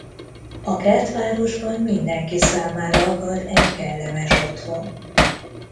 A kertvárosban mindenki számára akad egy kellemes otthon.